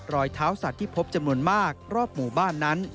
รอยเท้าสัตว์ที่พบจำนวนมากรอบหมู่บ้านนั้น